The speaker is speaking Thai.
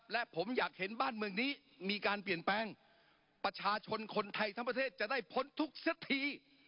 และผมอยากเห็นบ้านเมืองนี้มีการเปลี่ยนแปลงประชาชนคนไทยทั้งประเทศจะได้พ้นทุกข์สักที